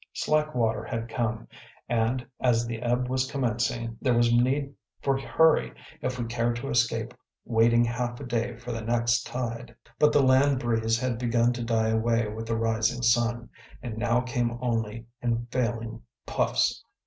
Slack water had come, and, as the ebb was commencing, there was need for hurry if we cared to escape waiting half a day for the next tide. But the land breeze had begun to die away with the rising sun, and now came only in failing puffs.